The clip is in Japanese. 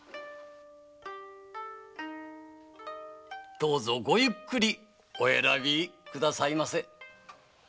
どうぞごゆっくりお選びくださいませ。